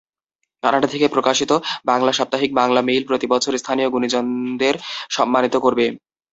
Canada থেকে প্রকাশিত বাংলা সাপ্তাহিক বাংলামেইল প্রতি বছর স্থানীয় গুণীজনদের সম্মানিত করবে।